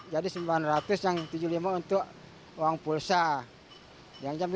jadi sembilan ratus yang tujuh puluh lima untuk uang pulsa